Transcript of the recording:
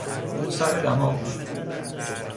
او سردماغ بود.